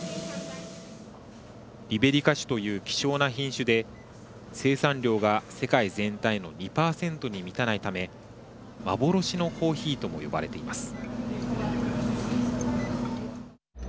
リベリカ種という希少な品種で生産量が世界全体の２％に満たないため幻のコーヒーとも呼ばれています。